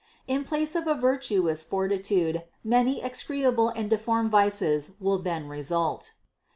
In place of a virtuous fortitude many execrable and deformed vices will then result.